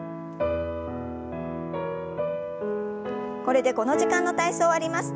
これでこの時間の体操終わります。